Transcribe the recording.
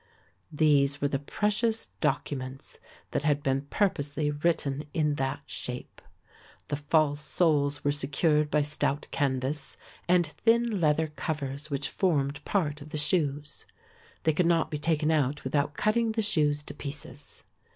These were the precious documents that had been purposely written in that shape. The false soles were secured by stout canvas and thin leather covers which formed part of the shoes. They could not be taken out without cutting the shoes to pieces.